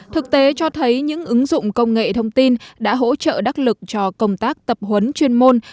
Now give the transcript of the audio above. thực tế cho thấy những ứng dụng công nghệ thông tin đã hỗ trợ đắc lực cho công tác tập huấn chuyên môn